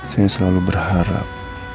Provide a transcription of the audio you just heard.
saya selalu berharap